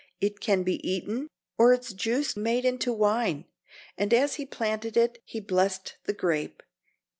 "It can be eaten, or its juice made into wine," and as he planted it, he blessed the grape.